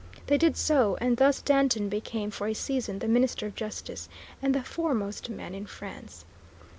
They did so, and thus Danton became for a season the Minister of Justice and the foremost man in France.